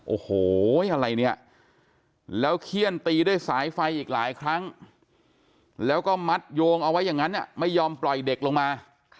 โอ้โหอะไรเนี่ยแล้วเขี้ยนตีด้วยสายไฟอีกหลายครั้งแล้วก็มัดโยงเอาไว้อย่างนั้นไม่ยอมปล่อยเด็กลงมา